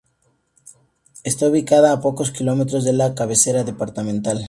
Está ubicada a pocos kilómetros de la cabecera departamental.